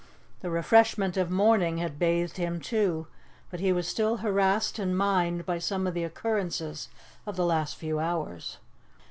The refreshment of morning had bathed him too, but he was still harassed in mind by some of the occurrences of the last few hours.